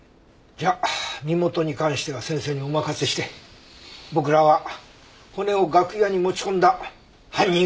じゃあ身元に関しては先生にお任せして僕らは骨を楽屋に持ち込んだ犯人を突き止めよう。